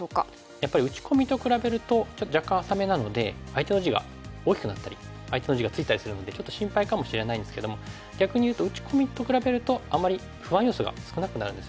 やっぱり打ち込みと比べるとちょっと若干浅めなので相手の地が大きくなったり相手の地がついたりするのでちょっと心配かもしれないんですけども逆にいうと打ち込みと比べるとあまり不安要素が少なくなるんですよね。